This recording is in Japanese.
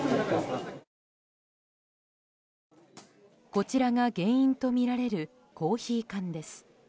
こちらが原因とみられるコーヒー缶です。